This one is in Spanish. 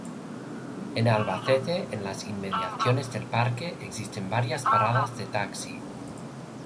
En Albacete, en las inmediaciones del parque, existen varias paradas de taxi.